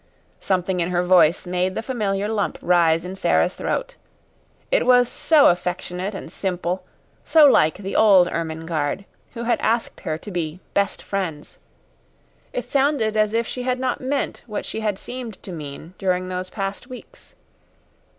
Something in her voice made the familiar lump rise in Sara's throat. It was so affectionate and simple so like the old Ermengarde who had asked her to be "best friends." It sounded as if she had not meant what she had seemed to mean during these past weeks.